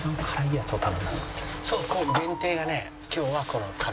そうこの限定がね。